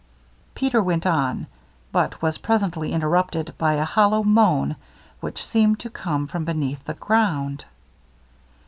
Peter went on, but was presently interrupted by a hollow moan, which seemed to come from beneath the ground.